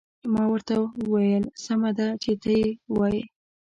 ما ورته وویل: سمه ده، چې ته يې وایې.